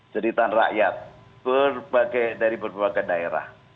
cerita rakyat dari berbagai daerah